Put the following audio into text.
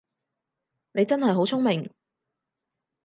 你真係好聰明